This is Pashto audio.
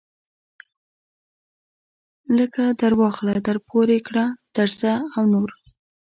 لکه درواخله درپورې کړه درځه او نور.